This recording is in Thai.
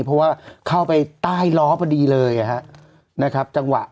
เพราะว่าเข้าไปใต้ล้อพอดีเลยนะครับจังหวะ